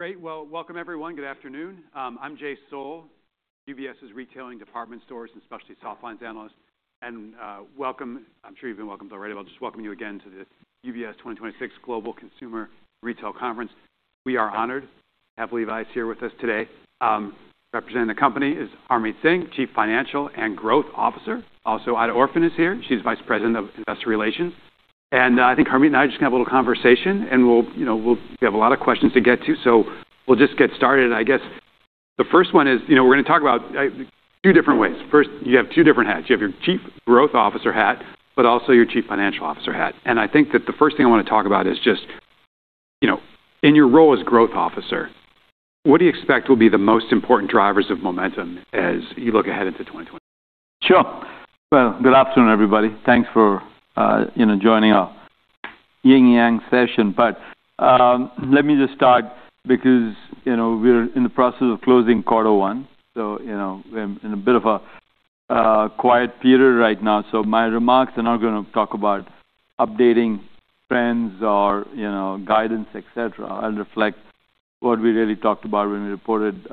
Great. Well, welcome everyone. Good afternoon. I'm Jay Sole, UBS's Retailing Department Stores and Specialty Softlines analyst. Welcome. I'm sure you've been welcomed already. I'll just welcome you again to this UBS 2026 Global Consumer Retail Conference. We are honored to have Levi's here with us today. Representing the company is Harmit Singh, Chief Financial and Growth Officer. Also, Aida Orphan is here. She's Vice President of Investor Relations. I think Harmit and I are just gonna have a little conversation, and we'll, you know, we have a lot of questions to get to, so we'll just get started. I guess the first one is, you know, we're gonna talk about two different ways. First, you have two different hats. You have your chief growth officer hat, but also your chief financial officer hat. I think that the first thing I wanna talk about is just, you know, in your role as Growth Officer, what do you expect will be the most important drivers of momentum as you look ahead into 2026? Sure. Well, good afternoon, everybody. Thanks for, you know, joining our yin-yang session. Let me just start because, you know, we're in the process of closing quarter one, so, you know, we're in a bit of a quiet period right now. My remarks are not gonna talk about updating trends or, you know, guidance, et cetera, and reflect what we really talked about when we reported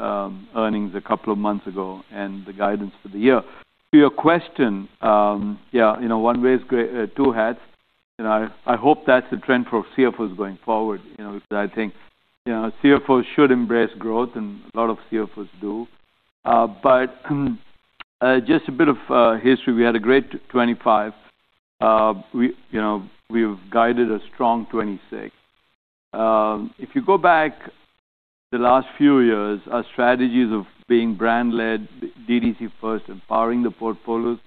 earnings a couple of months ago and the guidance for the year. To your question, yeah, you know, one way is two hats, you know. I hope that's the trend for CFOs going forward, you know, because I think, you know, CFOs should embrace growth, and a lot of CFOs do. Just a bit of history. We had a great 2025. You know, we've guided a strong 2026. If you go back the last few years, our strategies of being brand-led, DTC first, empowering the portfolios,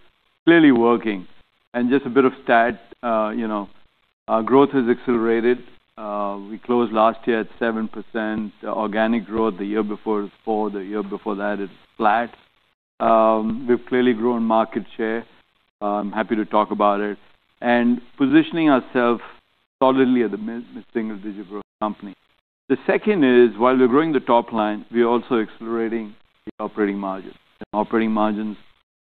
clearly working. Just a bit of stat, you know, our growth has accelerated. We closed last year at 7% organic growth. The year before it was 4%. The year before that it's flat. We've clearly grown market share. I'm happy to talk about it. Positioning ourselves solidly as a mid-single-digit growth company. The second is, while we're growing the top line, we're also accelerating the operating margin. Operating margins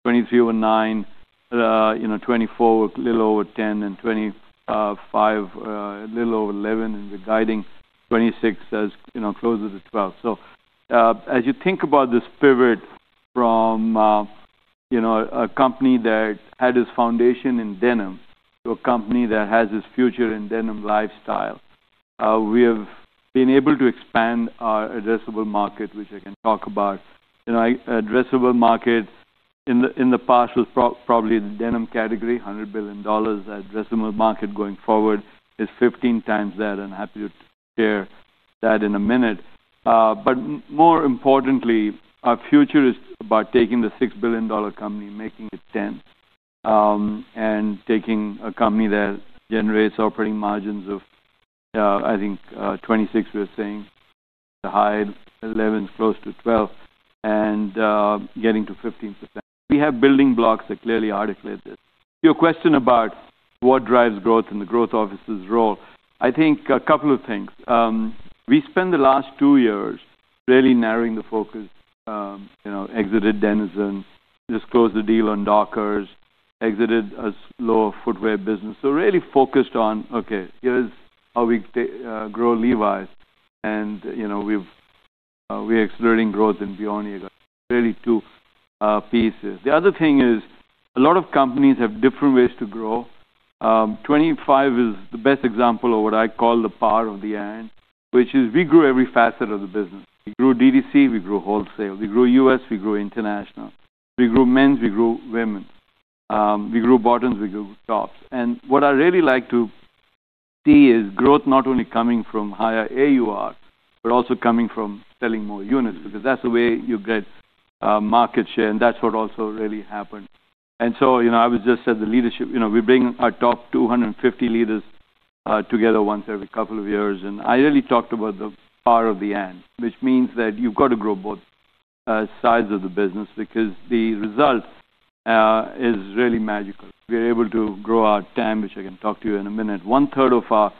2023 over 9%, you know, 2024, a little over 10%, and 2025, a little over 11%, and we're guiding 2026 as, you know, closer to 12%. As you think about this pivot from, you know, a company that had its foundation in denim to a company that has its future in denim lifestyle, we have been able to expand our addressable market, which I can talk about. You know, addressable market in the past was probably the denim category, $100 billion. Addressable market going forward is 15x that. I'm happy to share that in a minute. But more importantly, our future is about taking the $6 billion company and making it 10. Taking a company that generates operating margins of, I think, 26%, we were saying, to high 11s, close to 12%, and getting to 15%. We have building blocks that clearly articulate this. To your question about what drives growth and the growth officer's role, I think a couple of things. We spent the last two years really narrowing the focus, you know, exited dENiZEN, just closed the deal on Dockers, exited a lower footwear business. Really focused on, okay, here's how we grow Levi's. You know, we're accelerating growth and Beyond Yoga, really two pieces. The other thing is a lot of companies have different ways to grow. 2025 is the best example of what I call the power of the and, which is we grew every facet of the business. We grew DTC, we grew wholesale, we grew U.S., we grew international, we grew men's, we grew women's, we grew bottoms, we grew tops. What I really like to see is growth not only coming from higher AUR, but also coming from selling more units, because that's the way you get market share, and that's what also really happened. You know, I was just at the leadership. You know, we bring our top 250 leaders together once every couple of years, and I really talked about the power of the and, which means that you've got to grow both sides of the business because the result is really magical. We're able to grow our TAM, which I can talk to you in a minute. 1/3 of our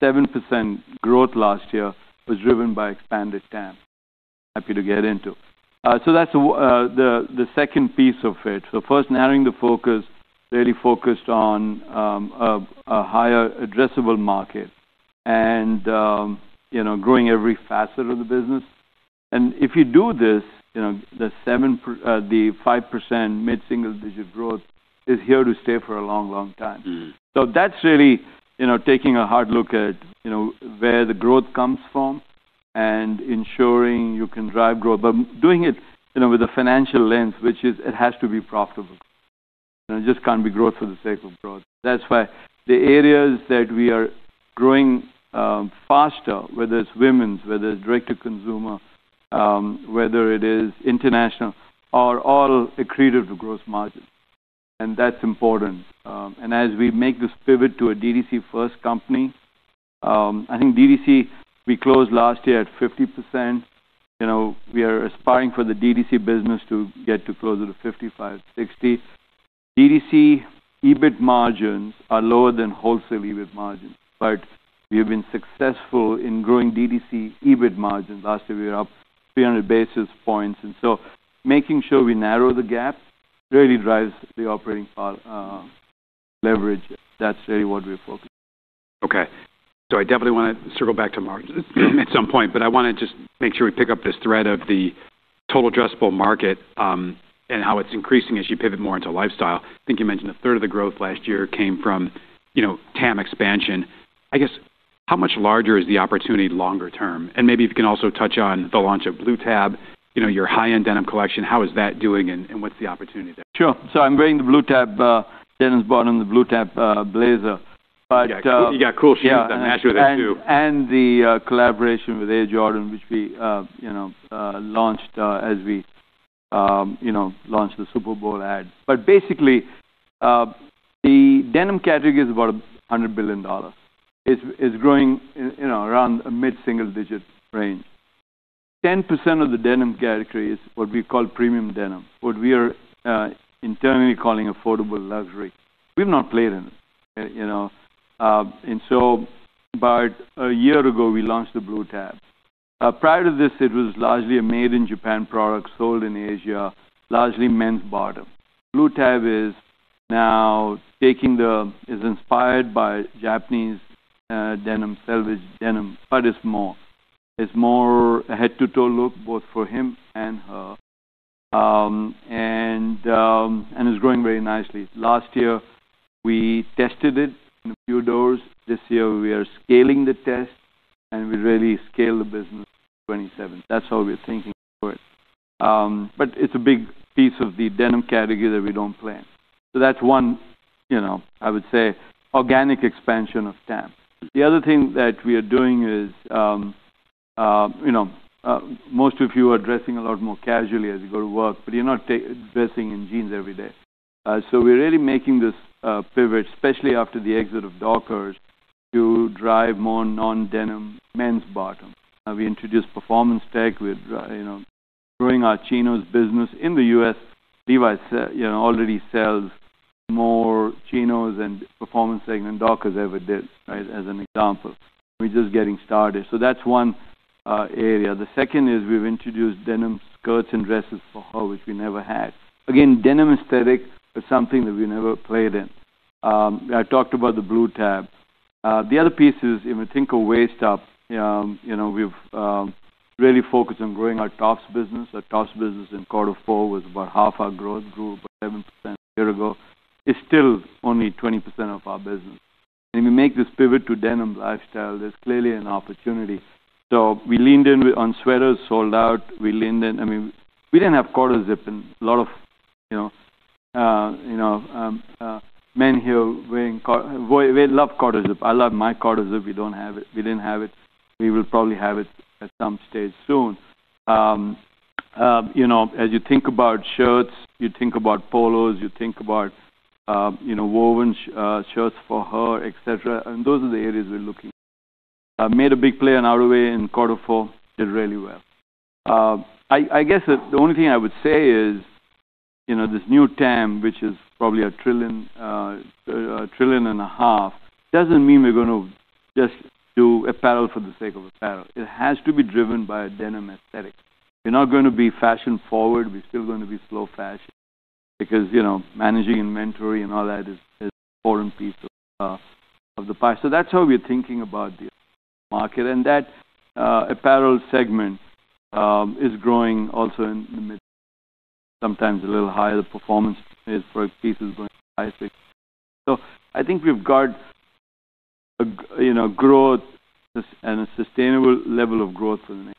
7% growth last year was driven by expanded TAM. Happy to get into. That's the second piece of it. First narrowing the focus, really focused on a higher addressable market and, you know, growing every facet of the business. If you do this, you know, the 5% mid-single digit growth is here to stay for a long, long time. Mm-hmm. That's really, you know, taking a hard look at, you know, where the growth comes from and ensuring you can drive growth, but doing it, you know, with a financial lens, which is it has to be profitable. You know, it just can't be growth for the sake of growth. That's why the areas that we are growing faster, whether it's women's, whether it's direct to consumer, whether it is international, are all accretive to gross margin, and that's important. As we make this pivot to a DTC-first company, I think DTC, we closed last year at 50%. You know, we are aspiring for the DTC business to get to closer to 55-60. DTC EBIT margins are lower than wholesale EBIT margins, but we've been successful in growing DTC EBIT margins. Last year we were up 300 basis points. Making sure we narrow the gap really drives the operating leverage. That's really what we're focused on. Okay. I definitely wanna circle back to margins at some point, but I wanna just make sure we pick up this thread of the total addressable market, and how it's increasing as you pivot more into lifestyle. I think you mentioned a third of the growth last year came from, you know, TAM expansion. I guess, how much larger is the opportunity longer term? And maybe if you can also touch on the launch of Blue Tab, you know, your high-end denim collection, how is that doing and what's the opportunity there? Sure. I'm wearing the Blue Tab denim bottom, the Blue Tab blazer. But You got cool shoes that match with it too. Yeah, the collaboration with Air Jordan, which we you know launched as we you know launched the Super Bowl ad. Basically, the denim category is about $100 billion. It's growing you know around a mid-single-digit range. 10% of the denim category is what we call premium denim. What we are internally calling affordable luxury. We've not played in it you know. About a year ago, we launched the Blue Tab. Prior to this, it was largely a made in Japan product sold in Asia, largely men's bottom. Blue Tab is now inspired by Japanese denim, selvedge denim, but it's more. It's more a head-to-toe look, both for him and her. It's growing very nicely. Last year, we tested it in a few doors. This year, we are scaling the test, and we really scale the business 2027. That's how we are thinking through it. But it's a big piece of the denim category that we don't play in. That's one, you know, I would say organic expansion of TAM. The other thing that we are doing is, you know, most of you are dressing a lot more casually as you go to work, but you're not dressing in jeans every day. We're really making this pivot, especially after the exit of Dockers to drive more non-denim men's bottom. We introduced performance tech with, you know, growing our chinos business. In the U.S., Levi's already sells more chinos and performance segment Dockers ever did, right? As an example. We're just getting started. That's one area. The second is we've introduced denim skirts and dresses for her, which we never had. Again, denim aesthetic is something that we never played in. I talked about the Blue Tab. The other piece is if you think of waist up, you know, we've really focused on growing our tops business. Our tops business in quarter four was about half our growth, grew about 7% a year ago. It's still only 20% of our business. When we make this pivot to denim lifestyle, there's clearly an opportunity. We leaned in on sweaters, sold out. We leaned in. I mean, we didn't have quarter zip and a lot of, you know, men here wearing quarter zip. We love quarter zip. I love my quarter zip. We don't have it. We didn't have it. We will probably have it at some stage soon. You know, as you think about shirts, you think about polos, you think about, you know, woven shirts for her, et cetera, and those are the areas we're looking. Made a big play in Outerwear in quarter four. Did really well. I guess the only thing I would say is, you know, this new TAM, which is probably $1 trillion-$1.5 trillion, doesn't mean we're gonna just do apparel for the sake of apparel. It has to be driven by a denim aesthetic. We're not gonna be fashion-forward. We're still gonna be slow fashion because, you know, managing inventory and all that is an important piece of the pie. That's how we are thinking about the market. That apparel segment is growing also. Sometimes a little higher. The performance is for pieces going higher. I think we've got a you know, growth and a sustainable level of growth for the next.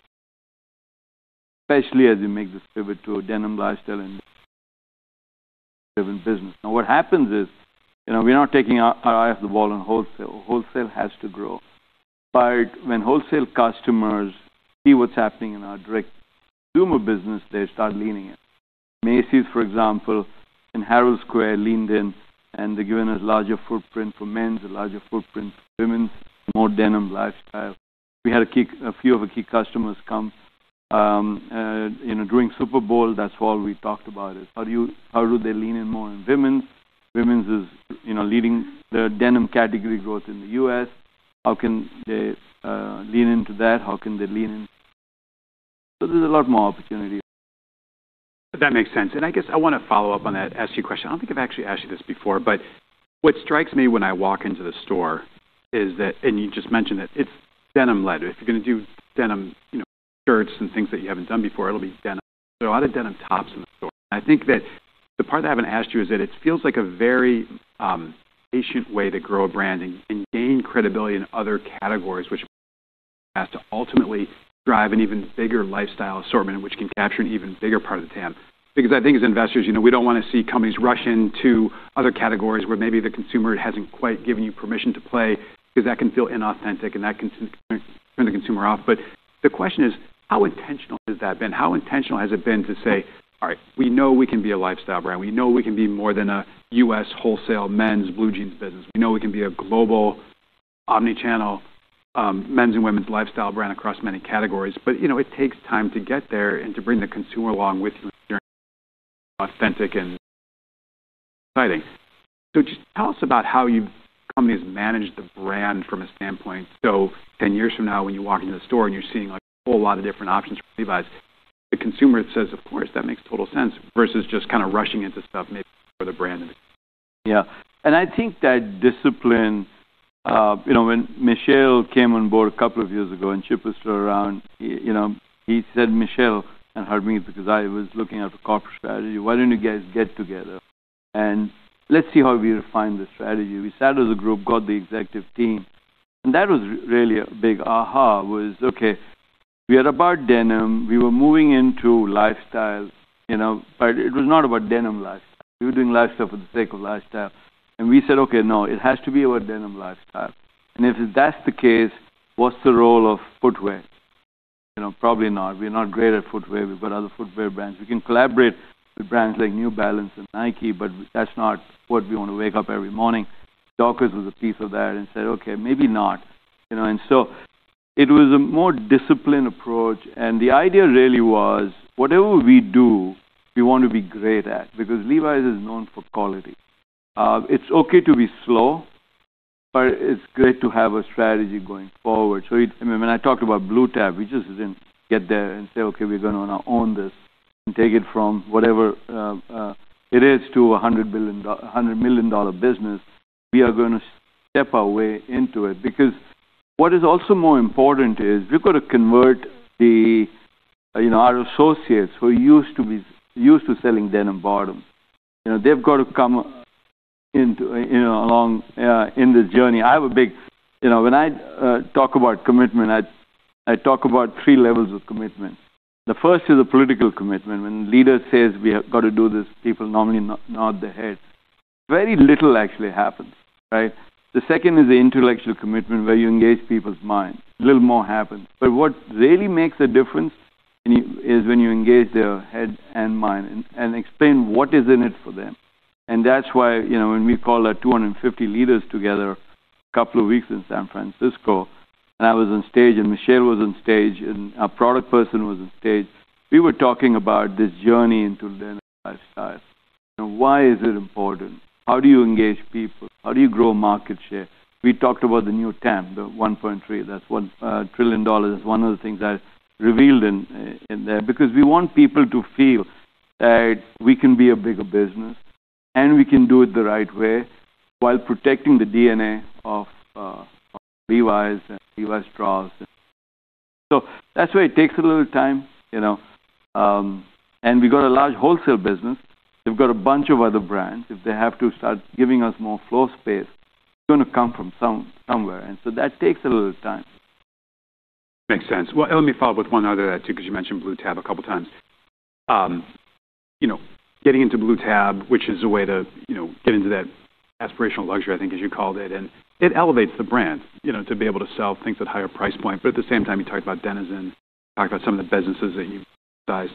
Especially as we make this pivot to a denim lifestyle-driven business. Now what happens is, you know, we are not taking our eye off the ball on wholesale. Wholesale has to grow. When wholesale customers see what's happening in our direct-to-consumer business, they start leaning in. Macy's, for example, in Herald Square, leaned in, and they've given us larger footprint for men's, a larger footprint for women's, more denim lifestyle. We had a few of the key customers come, you know, during Super Bowl. That's all we talked about is how do they lean in more in women's? Women's is, you know, leading the denim category growth in the U.S. How can they lean into that? How can they lean in? There's a lot more opportunity. That makes sense. I guess I wanna follow up on that, ask you a question. I don't think I've actually asked you this before, but what strikes me when I walk into the store is that, and you just mentioned it's denim led. If you're gonna do denim, you know, shirts and things that you haven't done before, it'll be denim. There are a lot of denim tops in the store. I think that the part that I haven't asked you is that it feels like a very patient way to grow a brand and gain credibility in other categories which ultimately drive an even bigger lifestyle assortment, and which can capture an even bigger part of the TAM. Because I think as investors, you know, we don't wanna see companies rush into other categories where maybe the consumer hasn't quite given you permission to play, 'cause that can feel inauthentic and that can turn the consumer off. The question is how intentional has that been? How intentional has it been to say, "All right, we know we can be a lifestyle brand. We know we can be more than a U.S. wholesale men's blue jeans business. We know we can be a global omni-channel men's and women's lifestyle brand across many categories." You know, it takes time to get there and to bring the consumer along with you during authentic and exciting. Just tell us about how the company's managed the brand from a standpoint. 10 years from now, when you walk into the store and you're seeing, like, a whole lot of different options for Levi's. The consumer says, "Of course, that makes total sense," versus just kind of rushing into stuff maybe for the brand. Yeah. I think that discipline, you know, when Michelle came on board a couple of years ago, and Chip was still around, you know, he said, "Michelle," and heard me because I was looking at the corporate strategy. "Why don't you guys get together, and let's see how we refine the strategy." We sat as a group, got the executive team, and that was really a big aha, was, okay, we are about denim. We were moving into lifestyle, you know, but it was not about denim lifestyle. We were doing lifestyle for the sake of lifestyle. We said, "Okay, no, it has to be about denim lifestyle." If that's the case, what's the role of footwear? You know, probably not. We're not great at footwear. We've got other footwear brands. We can collaborate with brands like New Balance and Nike, but that's not what we wanna wake up every morning. Dockers was a piece of that and said, "Okay, maybe not." You know, it was a more disciplined approach, and the idea really was whatever we do, we want to be great at because Levi's is known for quality. It's okay to be slow, but it's great to have a strategy going forward. When I talked about Blue Tab, we just didn't get there and say, "Okay, we're gonna own this and take it from whatever, it is to a $100 million business. We are gonna step our way into it." Because what is also more important is we've got to convert the, you know, our associates who used to be used to selling denim bottom. You know, they've got to come along in this journey. You know, when I talk about commitment, I talk about three levels of commitment. The first is a political commitment. When leader says, "We have got to do this," people normally nod their heads. Very little actually happens, right? The second is the intellectual commitment, where you engage people's minds. A little more happens. But what really makes a difference is when you engage their head and mind and explain what is in it for them. That's why, you know, when we call our 250 leaders together a couple of weeks in San Francisco, and I was on stage, and Michelle was on stage, and our product person was on stage. We were talking about this journey into denim lifestyle. You know, why is it important? How do you engage people? How do you grow market share? We talked about the new TAM, the 1.3. That's $1 trillion. One of the things I revealed in there. Because we want people to feel that we can be a bigger business, and we can do it the right way while protecting the DNA of Levi's and Levi Strauss. That's why it takes a little time, you know. We've got a large wholesale business. They've got a bunch of other brands. If they have to start giving us more floor space, it's gonna come from somewhere. That takes a little time. Makes sense. Well, let me follow up with one other too, because you mentioned Blue Tab a couple times. You know, getting into Blue Tab, which is a way to, you know, get into that aspirational luxury, I think, as you called it, and it elevates the brand, you know, to be able to sell things at higher price point. But at the same time, you talk about dENiZEN, you talk about some of the businesses that you've emphasized.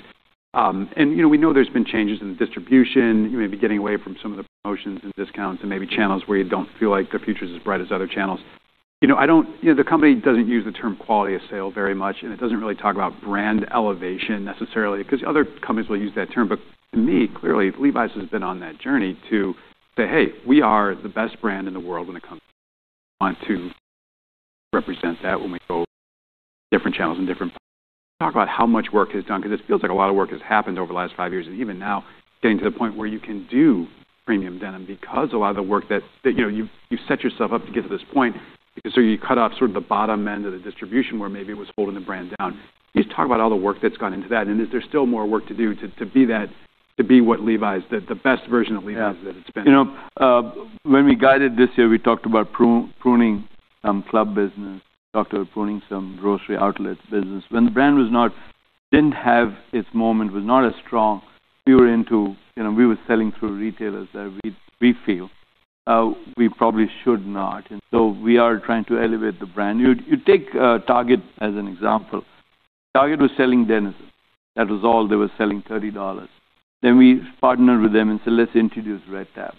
And, you know, we know there's been changes in the distribution. You may be getting away from some of the promotions and discounts and maybe channels where you don't feel like the future's as bright as other channels. You know, I don't. You know, the company doesn't use the term quality of sale very much, and it doesn't really talk about brand elevation necessarily, 'cause other companies will use that term. To me, clearly, Levi's has been on that journey to say, "Hey, we are the best brand in the world when it comes to want to represent that when we go different channels and different." Talk about how much work is done 'cause it feels like a lot of work has happened over the last five years and even now getting to the point where you can do premium denim because a lot of the work that you know you've set yourself up to get to this point because you cut off sort of the bottom end of the distribution where maybe it was holding the brand down. Can you just talk about all the work that's gone into that and is there still more work to do to be that, to be what Levi's, the best version of Levi's that it's been? Yeah. You know, when we guided this year, we talked about pruning some club business, talked about pruning some grocery outlet business. When the brand didn't have its moment, was not as strong, we were selling through retailers that we feel we probably should not. We are trying to elevate the brand. You take Target as an example. Target was selling dENiZEN. That was all they were selling, $30. We partnered with them and said, "Let's introduce Red Tab."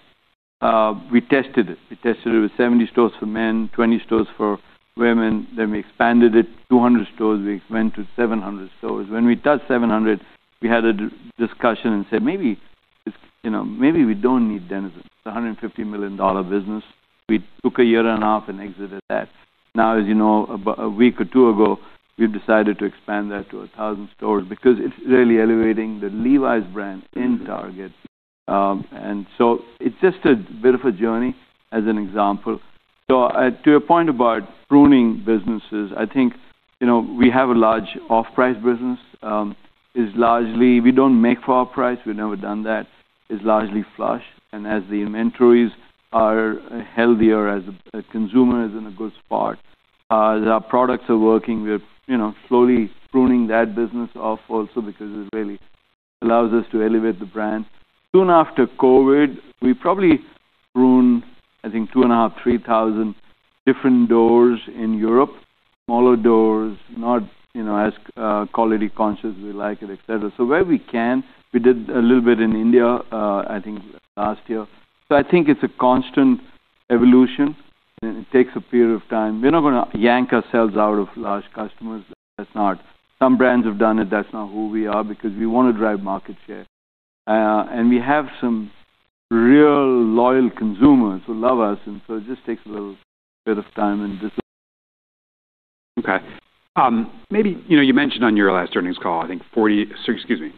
We tested it. We tested it with 70 stores for men, 20 stores for women. We expanded it, 200 stores. We went to 700 stores. When we touched 700, we had a discussion and said, "Maybe it's, you know, maybe we don't need dENiZEN." It's a $150 million business. We took a year and a half and exited that. Now, as you know, about a week or two ago, we've decided to expand that to 1,000 stores because it's really elevating the Levi's brand in Target. It's just a bit of a journey as an example. To your point about pruning businesses, I think, you know, we have a large off-price business. It's largely. We don't make for our price. We've never done that. It's largely flush. As the inventories are healthier, as a consumer is in a good spot, as our products are working, we're, you know, slowly pruning that business off also because it really allows us to elevate the brand. Soon after COVID, we probably pruned, I think 2.5-3,000 different doors in Europe, smaller doors, not, you know, as quality conscious we like it, et cetera. Where we can, we did a little bit in India, I think last year. I think it's a constant evolution, and it takes a period of time. We're not gonna yank ourselves out of large customers. That's not. Some brands have done it. That's not who we are because we wanna drive market share. We have some real loyal consumers who love us, and so it just takes a little bit of time and discipline. Maybe, you know, you mentioned on your last earnings call, I think 50-60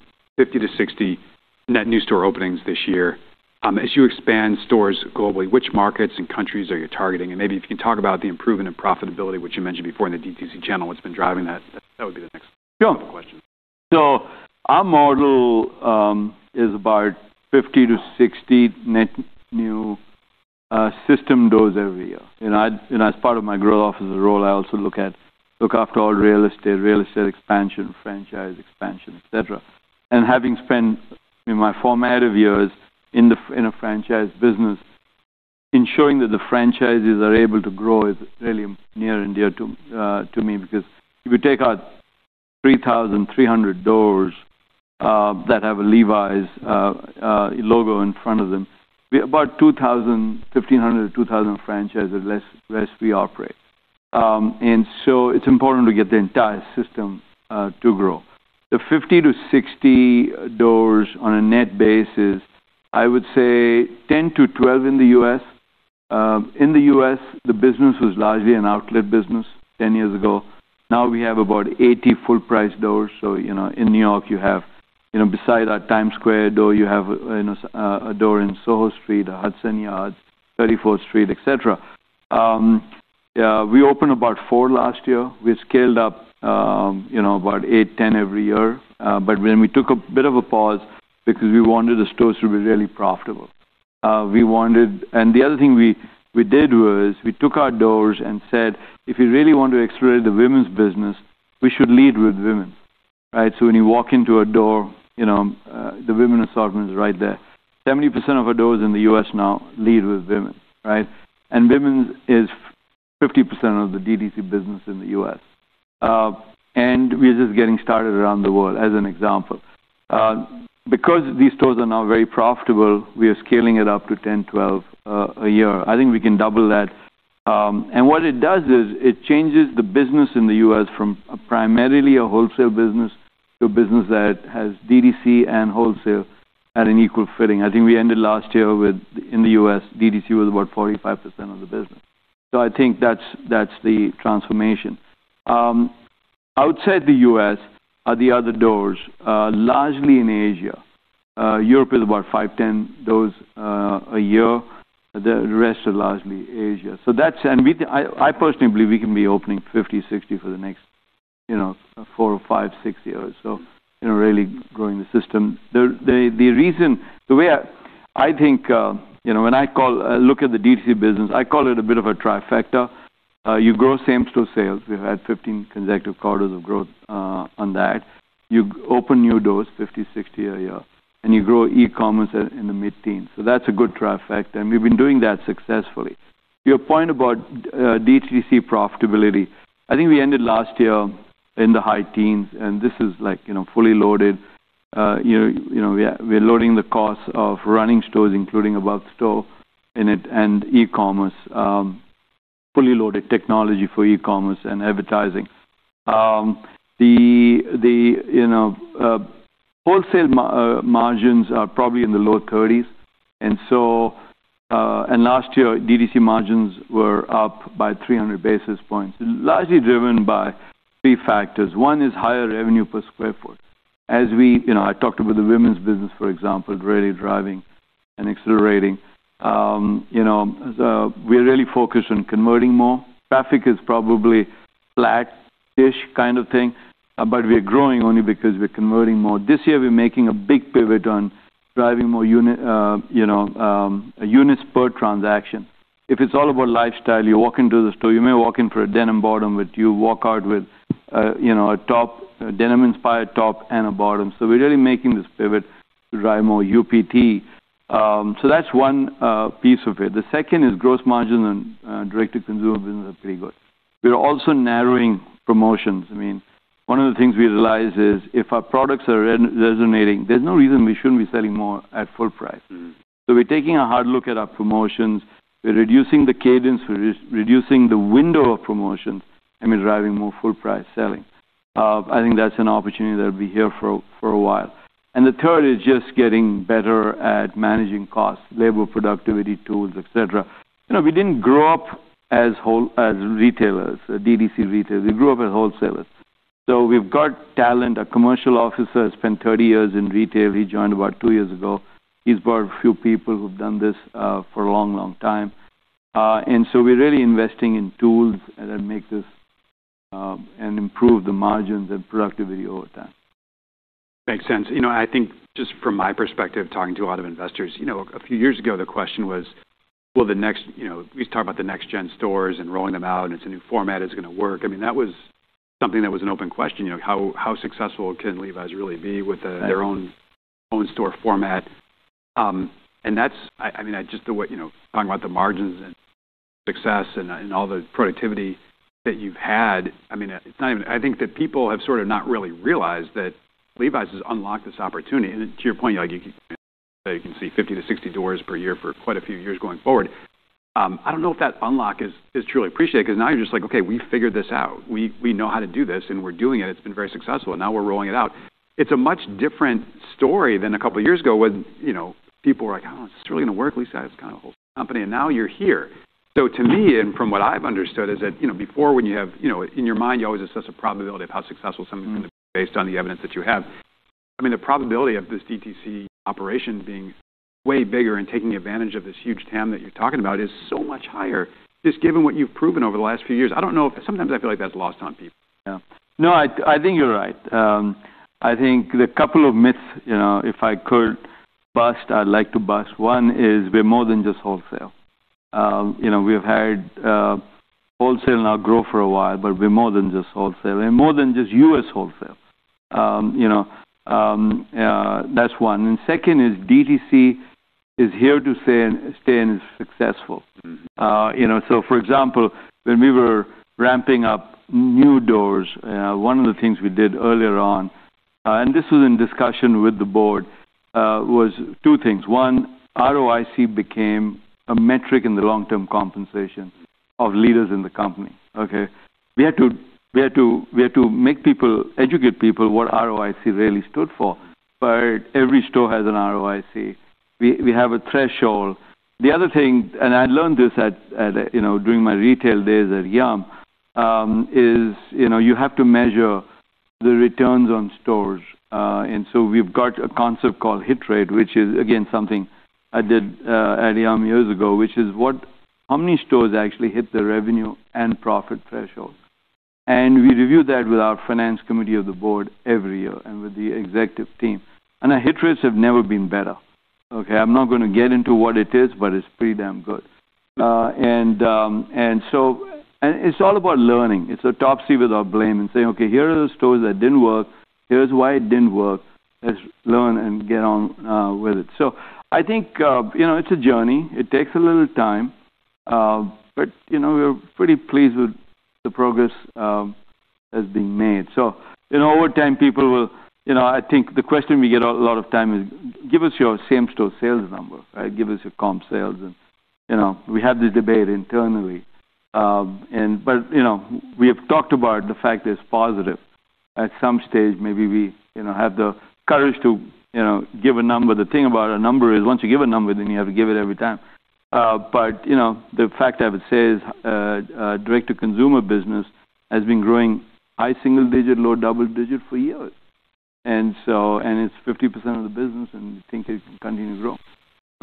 net new store openings this year. As you expand stores globally, which markets and countries are you targeting? Maybe if you can talk about the improvement in profitability, which you mentioned before in the D2C channel, what's been driving that? That would be the next couple questions. Sure. Our model is about 50-60 net new system doors every year. You know, as part of my growth officer role, I also look after all real estate expansion, franchise expansion, et cetera. Having spent my formative years in a franchise business, ensuring that the franchises are able to grow is really near and dear to me, because if you take our 3,300 doors that have a Levi's logo in front of them, we about 2,000, 1,500-2,000 franchises less we operate. It's important to get the entire system to grow. The 50-60 doors on a net basis, I would say 10-12 in the U.S. In the U.S., the business was largely an outlet business 10 years ago. Now we have about 80 full-price doors. You know, in New York, you have, you know, beside our Times Square door, you have, you know, a door in SoHo, Hudson Yards, 34th Street, et cetera. We opened about four last year. We scaled up, you know, about eight, 10 every year. When we took a bit of a pause because we wanted the stores to be really profitable. The other thing we did was we took our doors and said, "If we really want to accelerate the women's business, we should lead with women." Right? When you walk into a door, you know, the women assortment is right there. 70% of our doors in the U.S. now lead with women, right? Women's is 50% of the D2C business in the U.S. We're just getting started around the world as an example. Because these stores are now very profitable, we are scaling it up to 10, 12 a year. I think we can double that. What it does is, it changes the business in the U.S. from primarily a wholesale business to a business that has D2C and wholesale at an equal footing. I think we ended last year with, in the U.S. D2C was about 45% of the business. I think that's the transformation. Outside the U.S. are the other doors, largely in Asia. Europe is about five, 10 doors a year. The rest are largely in Asia. I personally believe we can be opening 50, 60 for the next, you know, four or five, six years. You know, really growing the system. The way I think, you know, when I look at the D2C business, I call it a bit of a trifecta. You grow same-store sales. We've had 15 consecutive quarters of growth on that. You open new doors 50, 60 a year, and you grow e-commerce at, in the mid-teens%. That's a good trifecta, and we've been doing that successfully. To your point about D2C profitability, I think we ended last year in the high teens%, and this is like, you know, fully loaded. You know, we are loading the cost of running stores, including above store in it, and e-commerce, fully loaded technology for e-commerce and advertising. You know, the wholesale margins are probably in the low 30s%. Last year, D2C margins were up by 300 basis points, largely driven by three factors. One is higher revenue per sq ft. You know, I talked about the women's business, for example, really driving and accelerating. You know, we're really focused on converting more. Traffic is probably flattish kind of thing, but we're growing only because we're converting more. This year, we're making a big pivot on driving more units per transaction. If it's all about lifestyle, you walk into the store, you may walk in for a denim bottom, but you walk out with, you know, a top, denim-inspired top and a bottom. We're really making this pivot to drive more UPT. That's one piece of it. The second is gross margin and direct-to-consumer business are pretty good. We're also narrowing promotions. I mean, one of the things we realized is if our products are resonating, there's no reason we shouldn't be selling more at full price. Mm-hmm. We're taking a hard look at our promotions. We're reducing the cadence. We're re-reducing the window of promotions, and we're driving more full-price selling. I think that's an opportunity that'll be here for a while. The third is just getting better at managing costs, labor productivity tools, et cetera. You know, we didn't grow up as retailers, D2C retailers. We grew up as wholesalers. We've got talent. Our commercial officer has spent 30 years in retail. He joined about two years ago. He's brought a few people who've done this for a long, long time. We're really investing in tools that make this and improve the margins and productivity over time. Makes sense. You know, I think just from my perspective, talking to a lot of investors, you know, a few years ago, the question was, you know, we used to talk about the next gen stores and rolling them out, and it's a new format, is it gonna work? I mean, that was something that was an open question. You know, how successful can Levi's really be with their own- Right. Own store format? That's I mean, just the way, you know, talking about the margins and success and all the productivity that you've had. I mean, it's not even I think that people have sort of not really realized that Levi's has unlocked this opportunity. To your point, like, you can see 50-60 doors per year for quite a few years going forward. I don't know if that unlock is truly appreciated, because now you're just like, "Okay, we figured this out. We know how to do this, and we're doing it. It's been very successful, and now we're rolling it out." It's a much different story than a couple years ago when, you know, people were like, "Oh, is this really gonna work? Michelle Gass has kinda overhauled the whole company," and now you're here. To me, and from what I've understood, is that, you know, in your mind, you always assess a probability of how successful something's gonna be based on the evidence that you have. I mean, the probability of this DTC operation being way bigger and taking advantage of this huge TAM that you're talking about is so much higher, just given what you've proven over the last few years. I don't know. Sometimes I feel like that's lost on people. Yeah. No, I think you're right. I think the couple of myths, you know, if I could bust, I'd like to bust. One is we're more than just wholesale. You know, we have had wholesale now grow for a while, but we're more than just wholesale. We're more than just U.S. wholesale. You know, that's one. Second is DTC is here to stay and successful. Mm-hmm. You know, for example, when we were ramping up new doors, one of the things we did earlier on, and this was in discussion with the board, was two things. One, ROIC became a metric in the long-term compensation of leaders in the company, okay? We had to make people educate people what ROIC really stood for. But every store has an ROIC. We have a threshold. The other thing, and I learned this at, you know, during my retail days at Yum, is, you know, you have to measure the returns on stores. We've got a concept called hit rate, which is again, something I did at Yum years ago, which is how many stores actually hit their revenue and profit thresholds. We review that with our finance committee of the board every year and with the executive team. Our hit rates have never been better, okay? I'm not gonna get into what it is, but it's pretty damn good. It's all about learning. It's a postmortem without blame and saying, "Okay, here are the stores that didn't work. Here's why it didn't work. Let's learn and get on with it." I think, you know, it's a journey. It takes a little time, but, you know, we're pretty pleased with the progress that's being made. You know, over time, people will. You know, I think the question we get a lot of times is give us your same store sales number, right? Give us your comp sales and, you know, we have the debate internally. You know, we have talked about the fact that it's positive. At some stage, maybe we, you know, have the courage to, you know, give a number. The thing about a number is once you give a number, then you have to give it every time. You know, the fact I would say is direct to consumer business has been growing high single digit, low double digit for years. It's 50% of the business, and we think it can continue to grow.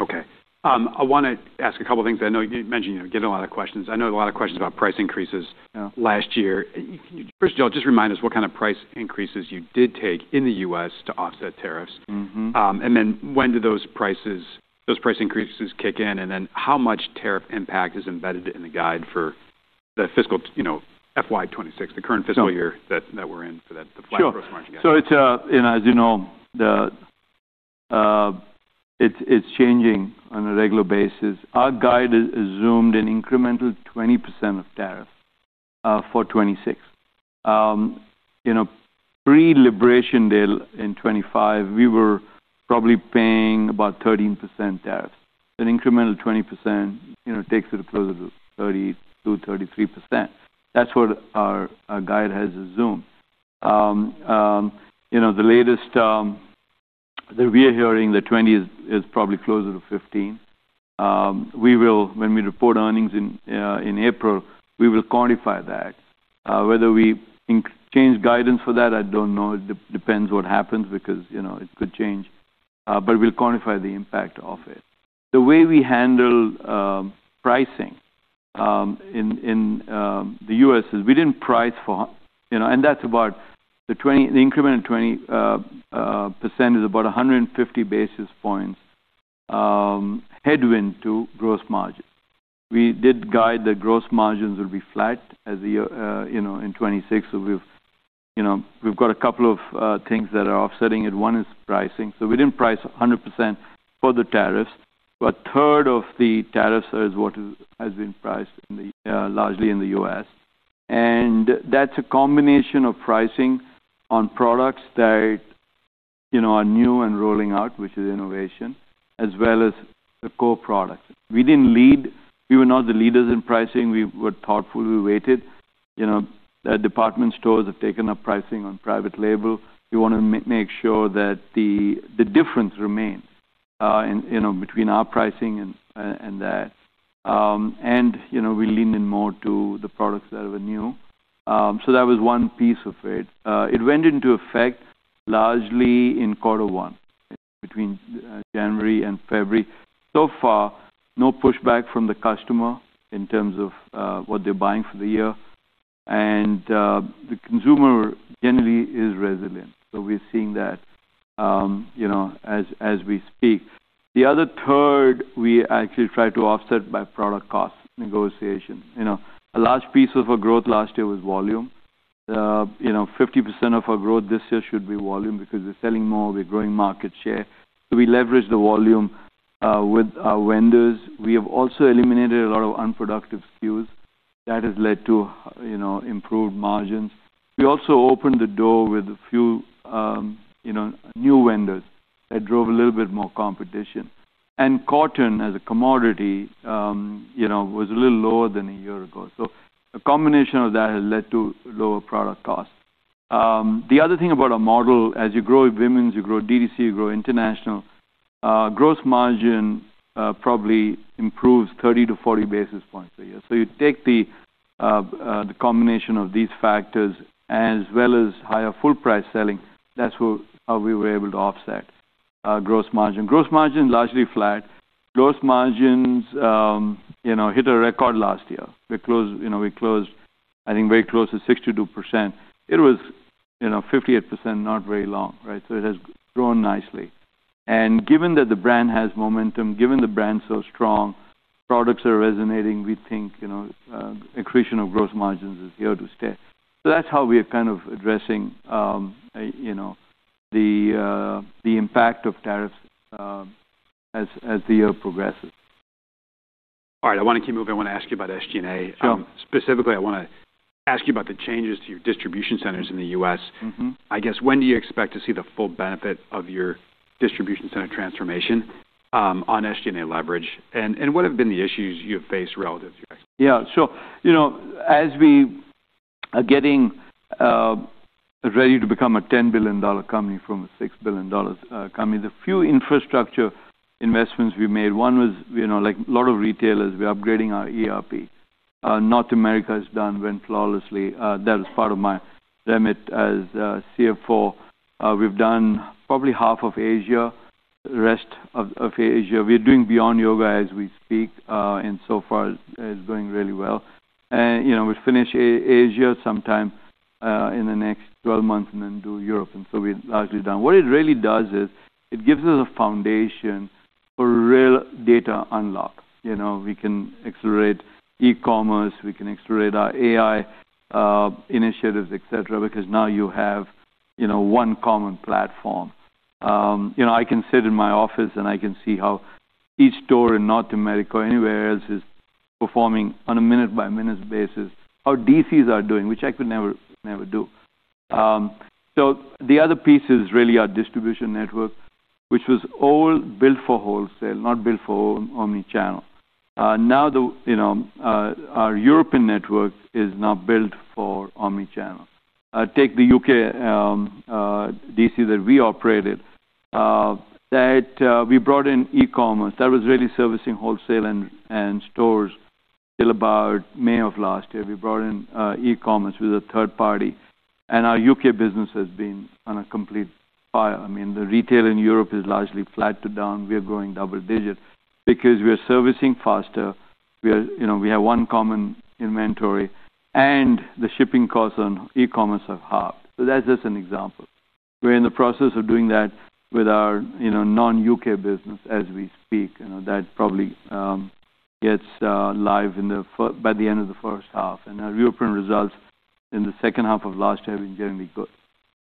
Okay. I wanna ask a couple things. I know you mentioned you get a lot of questions. I know a lot of questions about price increases. Yeah. Last year. First of all, just remind us what kind of price increases you did take in the U.S. to offset tariffs. Mm-hmm. When do those prices, those price increases kick in, and then how much tariff impact is embedded in the guide for the fiscal, you know, FY 2026, the current fiscal year? So. That we're in for that. Sure. The flat gross margin. It's, you know, as you know, changing on a regular basis. Our guide is based on an incremental 20% tariff for 2026. You know, pre-liberalization deal in 2025, we were probably paying about 13% tariffs. An incremental 20%, you know, takes it closer to 30%-33%. That's what our guide has assumed. You know, the latest that we are hearing that 20 is probably closer to 15. When we report earnings in April, we will quantify that. Whether we change guidance for that, I don't know. It depends what happens because, you know, it could change, but we'll quantify the impact of it. The way we handle pricing in the U.S. is we didn't price for, you know. The increment of 20% is about 150 basis points headwind to gross margin. We did guide that the gross margins would be flat for the year in 2026. We've got a couple of things that are offsetting it. One is pricing. We didn't price 100% for the tariffs, but a third of the tariffs is what has been priced in largely in the U.S. That's a combination of pricing on products that are new and rolling out, which is innovation, as well as the core products. We didn't lead. We were not the leaders in pricing. We were thoughtful. We waited. You know, the department stores have taken up pricing on private label. We wanna make sure that the difference remains, you know, between our pricing and that. You know, we leaned in more to the products that were new. That was one piece of it. It went into effect largely in quarter one, between January and February. So far, no pushback from the customer in terms of what they're buying for the year. The consumer generally is resilient. We're seeing that, you know, as we speak. The other third, we actually try to offset by product cost negotiation. You know, a large piece of our growth last year was volume. You know, 50% of our growth this year should be volume because we're selling more, we're growing market share. We leverage the volume with our vendors. We have also eliminated a lot of unproductive SKUs. That has led to, you know, improved margins. We also opened the door with a few, you know, new vendors that drove a little bit more competition. Cotton as a commodity, you know, was a little lower than a year ago. A combination of that has led to lower product costs. The other thing about our model, as you grow in women's, you grow DTC, you grow international, gross margin probably improves 30-40 basis points a year. You take the combination of these factors as well as higher full price selling, that's how we were able to offset our gross margin. Gross margin largely flat. Gross margin, you know, hit a record last year. We closed, you know, I think, very close to 62%. It was, you know, 58% not very long, right? It has grown nicely. Given that the brand has momentum, given the brand's so strong, products are resonating, we think, you know, accretion of gross margins is here to stay. That's how we are kind of addressing, you know, the impact of tariffs, as the year progresses. All right. I wanna keep moving. I wanna ask you about SG&A. Sure. Specifically, I wanna ask you about the changes to your distribution centers in the U.S. Mm-hmm. I guess, when do you expect to see the full benefit of your distribution center transformation on SG&A leverage? What have been the issues you have faced relative to SG&A? Yeah. You know, as we are getting ready to become a $10 billion company from a $6 billion company, the few infrastructure investments we made, one was, you know, like a lot of retailers, we're upgrading our ERP. North America has gone flawlessly. That was part of my remit as CFO. We've done probably half of Asia. The rest of Asia, we're doing Beyond Yoga as we speak, and so far it's going really well. You know, we finish Asia sometime in the next 12 months and then do Europe, and so we're largely done. What it really does is it gives us a foundation for real data unlock. You know, we can accelerate e-commerce, we can accelerate our AI initiatives, et cetera, because now you have, you know, one common platform. You know, I can sit in my office and I can see how each store in North America or anywhere else is performing on a minute-by-minute basis, how DCs are doing, which I could never do. The other piece is really our distribution network, which was all built for wholesale, not built for omni-channel. Now our European network is built for omni-channel. Take the U.K. DC that we operated that we brought in e-commerce. That was really servicing wholesale and stores till about May of last year. We brought in e-commerce with a third party, and our U.K. business has been on a complete fire. I mean, the retail in Europe is largely flat to down. We are growing double digit because we are servicing faster. We are, you know, we have one common inventory, and the shipping costs on e-commerce are half. That's just an example. We're in the process of doing that with our, you know, non-U.K. business as we speak. You know, that probably goes live by the end of the first half. Our European results in the second half of last year have been generally good.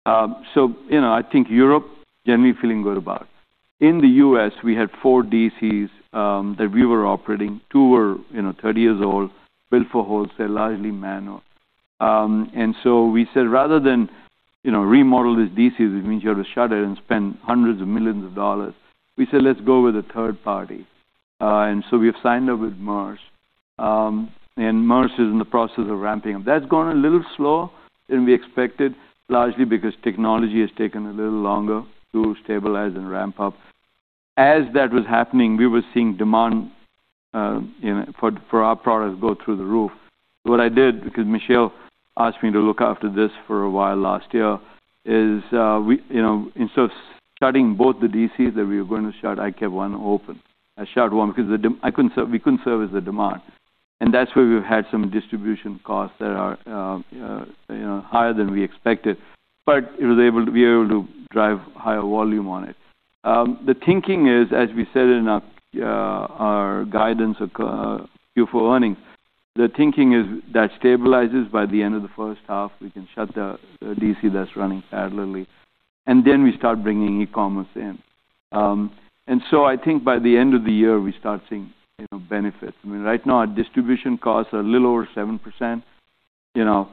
You know, I think we're generally feeling good about Europe. In the U.S., we had four DCs that we were operating. Two were, you know, 30 years old, built for wholesale, largely manual. We said, rather than, you know, remodel these DCs, which means you have to shut it and spend $hundreds of millions, let's go with a third party. We have signed up with GXO. Maersk is in the process of ramping up. That's gone a little slower than we expected, largely because technology has taken a little longer to stabilize and ramp up. As that was happening, we were seeing demand, you know, for our products go through the roof. What I did, because Michelle asked me to look after this for a while last year, is we, you know, instead of shutting both the DCs that we were gonna shut, I kept one open. I shut one because we couldn't service the demand. That's where we've had some distribution costs that are, you know, higher than we expected. We were able to drive higher volume on it. The thinking is, as we said in our guidance, Q4 earnings, the thinking is that stabilizes by the end of the first half. We can shut the DC that's running in parallel, and then we start bringing e-commerce in. I think by the end of the year, we start seeing, you know, benefits. I mean, right now our distribution costs are a little over 7%. You know,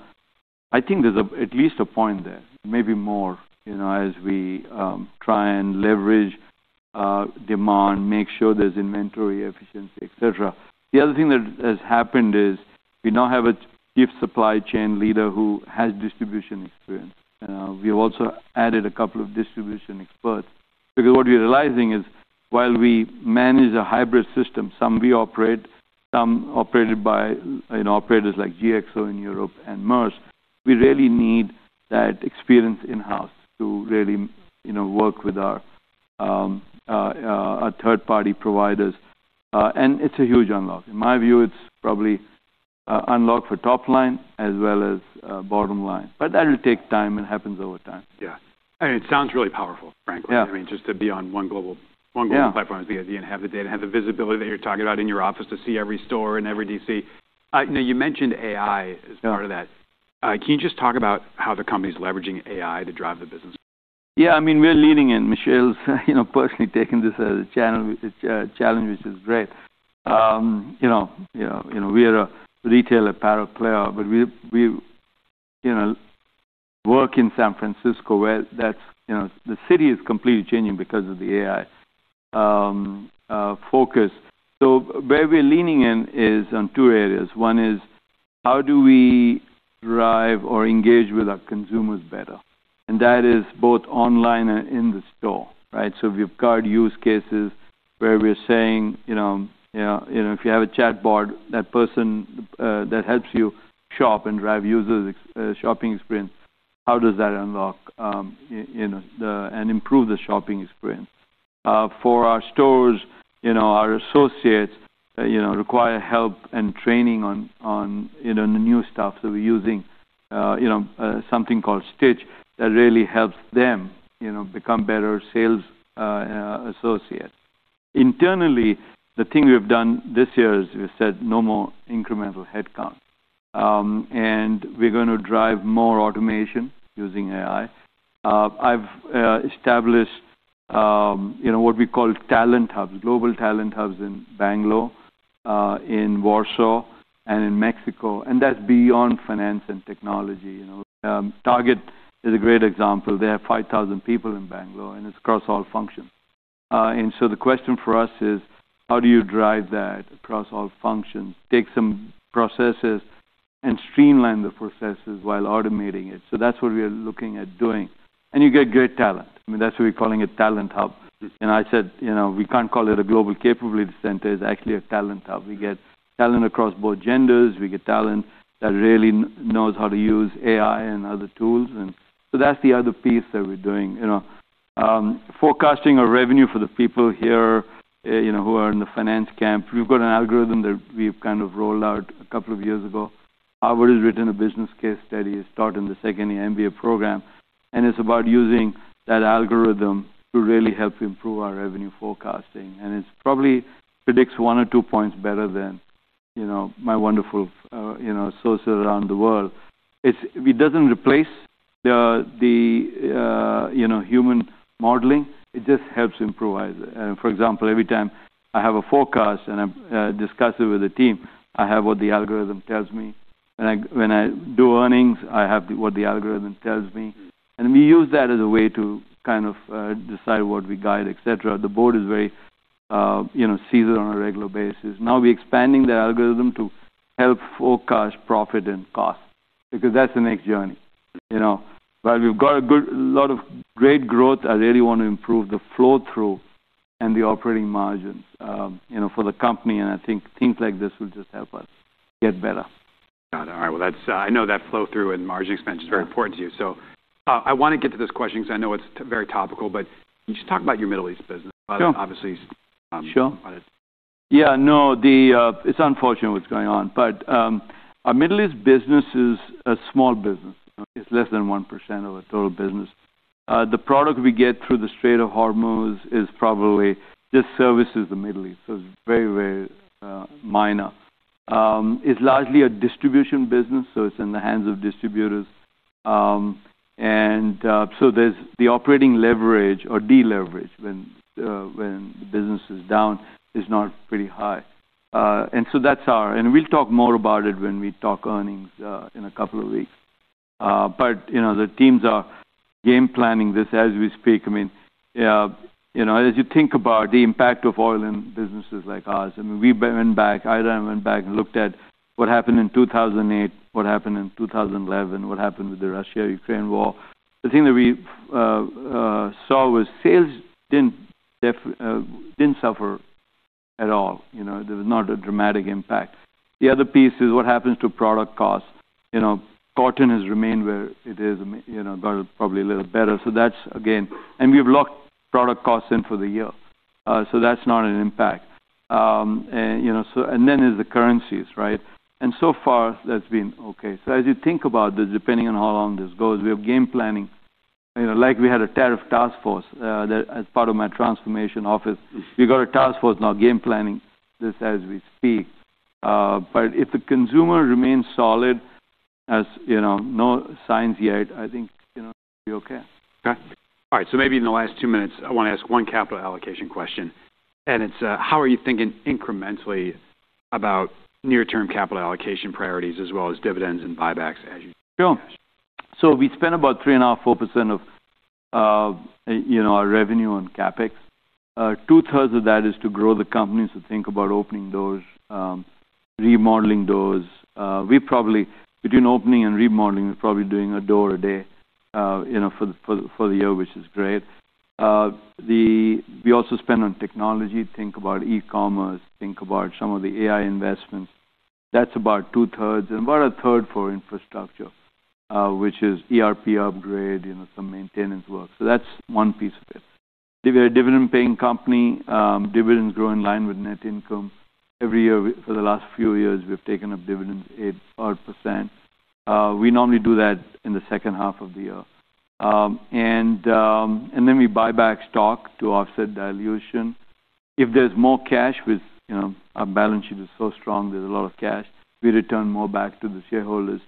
I think there's at least a point there, maybe more, you know, as we try and leverage demand, make sure there's inventory efficiency, et cetera. The other thing that has happened is we now have a chief supply chain leader who has distribution experience. We have also added a couple of distribution experts because what we're realizing is while we manage a hybrid system, some we operate, some operated by, you know, operators like GXO in Europe and Maersk, we really need that experience in-house to really, you know, work with our our third-party providers. It's a huge unlock. In my view, it's probably unlock for top line as well as bottom line. That'll take time and happens over time. Yeah. I mean, it sounds really powerful, frankly. Yeah. I mean, just to be on one global platform. Yeah At the end, have the data, have the visibility that you're talking about in your office to see every store and every DC. Now you mentioned AI as part of that. Yeah. Can you just talk about how the company's leveraging AI to drive the business? Yeah. I mean, we're leading and Michelle's, you know, personally taking this as a channel challenge, which is great. You know, we are a retail apparel player, but we work in San Francisco, where that's the city is completely changing because of the AI focus. Where we're leaning in is on two areas. One is how do we drive or engage with our consumers better? That is both online and in the store, right? We've got use cases where we're saying, you know, if you have a chat bot, that person that helps you shop and drive shopping experience, how does that unlock and improve the shopping experience? For our stores, you know, our associates, you know, require help and training on, you know, the new stuff. We're using, you know, something called STITCH that really helps them, you know, become better sales associates. Internally, the thing we have done this year is we've said no more incremental headcount. We're gonna drive more automation using AI. I've established, you know, what we call talent hubs, global talent hubs in Bangalore, in Warsaw, and in Mexico, and that's beyond finance and technology. Target is a great example. They have 5,000 people in Bangalore, and it's across all functions. The question for us is: how do you drive that across all functions? Take some processes and streamline the processes while automating it. That's what we are looking at doing. You get great talent. I mean, that's why we're calling it talent hub. I said, you know, we can't call it a global capability center. It's actually a talent hub. We get talent across both genders. We get talent that really knows how to use AI and other tools. That's the other piece that we're doing. You know, forecasting our revenue for the people here, you know, who are in the finance camp, we've got an algorithm that we've kind of rolled out a couple of years ago. Albert has written a business case study. He's taught in the second year MBA program, and it's about using that algorithm to really help improve our revenue forecasting. It's probably predicts one or two points better than, you know, my wonderful, you know, sources around the world. It doesn't replace the you know human modeling. It just helps improve it. For example, every time I have a forecast and I'm discussing with the team, I have what the algorithm tells me. When I do earnings, I have what the algorithm tells me. We use that as a way to kind of decide what we guide, et cetera. The board is very you know sees it on a regular basis. Now, we're expanding the algorithm to help forecast profit and cost because that's the next journey. You know, while we've got a lot of great growth, I really wanna improve the flow through and the operating margins you know for the company, and I think things like this will just help us get better. Got it. All right. Well, that's, I know that flow through and margin expansion is very important to you. I wanna get to this question 'cause I know it's very topical, but can you just talk about your Middle East business? Sure. Obviously. Sure. Yeah, no, it's unfortunate what's going on. Our Middle East business is a small business. It's less than 1% of our total business. The product we get through the Strait of Hormuz is probably just serves the Middle East. It's very minor. It's largely a distribution business, so it's in the hands of distributors. So there's the operating leverage or deleverage when the business is down is not pretty high. We'll talk more about it when we talk earnings in a couple of weeks. You know, the teams are game planning this as we speak. I mean, you know, as you think about the impact of oil in businesses like ours, I mean, Ira and I went back and looked at what happened in 2008, what happened in 2011, what happened with the Russia-Ukraine war. The thing that we saw was sales didn't suffer at all. You know, there was not a dramatic impact. The other piece is what happens to product costs. You know, cotton has remained where it is, you know, got probably a little better. We've locked product costs in for the year. That's not an impact. You know, and then there's the currencies, right? So far that's been okay. As you think about this, depending on how long this goes, we have game planning. You know, like we had a tariff task force that as part of my transformation office, we've got a task force now game planning this as we speak. But if the consumer remains solid, as you know, no signs yet, I think, you know, we'll be okay. Okay. All right. Maybe in the last two minutes, I wanna ask one capital allocation question, and it's, how are you thinking incrementally about near-term capital allocation priorities as well as dividends and buybacks as you- Sure. We spend about 3.5%-4% of our revenue on CapEx. Two-thirds of that is to grow the company. Think about opening doors, remodeling doors. We probably, between opening and remodeling, we're probably doing a door a day for the year, which is great. We also spend on technology. Think about e-commerce. Think about some of the AI investments. That's about two-thirds and about a third for infrastructure, which is ERP upgrade, some maintenance work. That's one piece of it. We're a dividend-paying company. Dividends grow in line with net income. Every year, for the last few years, we've taken up dividends eight odd %. We normally do that in the second half of the year. We buy back stock to offset dilution. If there's more cash with, you know, our balance sheet is so strong, there's a lot of cash, we return more back to the shareholders.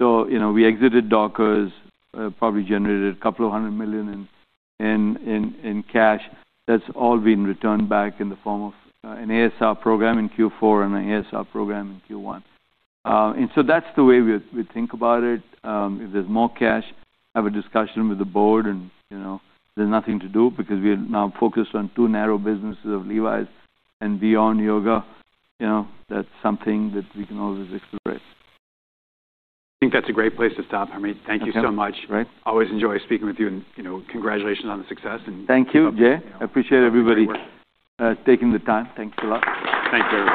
You know, we exited Dockers, probably generated a couple of hundred million in cash. That's all been returned back in the form of an ASR program in Q4 and an ASR program in Q1. That's the way we think about it. If there's more cash, have a discussion with the board and, you know, there's nothing to do because we are now focused on two narrow businesses of Levi's and Beyond Yoga. You know, that's something that we can always explore. I think that's a great place to stop, Harmit. Okay. Thank you so much. Great. Always enjoy speaking with you, and, you know, congratulations on the success. Thank you, Jay. I appreciate everybody taking the time. Thanks a lot. Thank you, everyone.